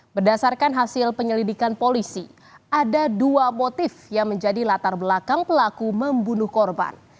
berdasarkan hasil penyelidikan polisi ada dua motif yang menjadi latar belakang pelaku membunuh korban